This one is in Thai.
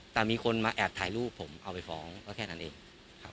แต่มีคนมาแอบถ่ายรูปผมเอาไปฟ้องก็แค่นั้นเองครับ